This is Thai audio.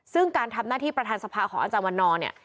ซึ่งการทำหน้าที่ประธานสภาของอาจารย์วันนอร์เนี่ย